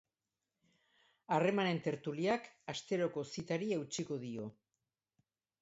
Harremanen tertuliak asteroko zitari eutsiko dio.